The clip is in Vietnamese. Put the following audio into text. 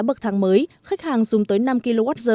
bậc tháng mới khách hàng dùng tới năm kwh